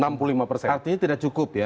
artinya tidak cukup ya